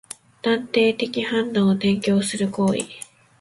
断定的判断を提供する行為